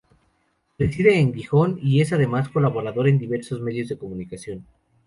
Reside en Gijón y es además colaborador en diversos medios de comunicación.